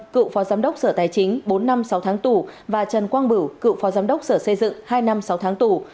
cựu phó giám đốc sở tài chính bốn năm sáu tháng tù và trần quang bửu cựu phó giám đốc sở xây dựng hai năm sáu tháng tù